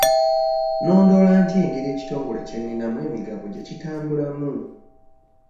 Nnondoola ntya engeri ekitongole kye nninamu emigabo gye kitambulamu?